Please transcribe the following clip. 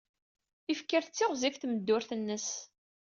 Ifker tettiɣzif tmeddurt-nnes.